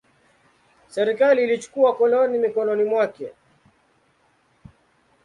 Serikali ilichukua koloni mikononi mwake.